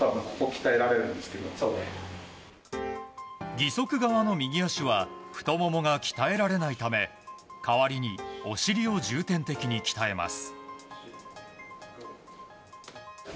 義足側の右足太ももが鍛えられないため代わりにお尻を重点的に鍛えます。